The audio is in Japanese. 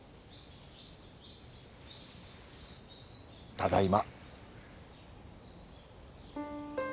ただいま。